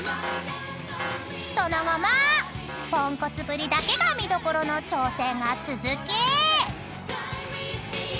［その後もポンコツぶりだけが見どころの挑戦が続き］